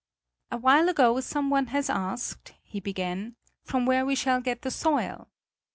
"A while ago someone has asked," he began, "from where we shall get the soil?